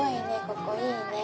ここいいね